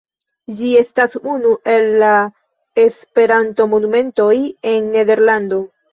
Ĝi estas unu el la Esperantomonumentoj en Nederlando.